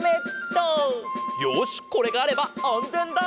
よしこれがあればあんぜんだ！